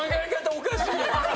おかしい。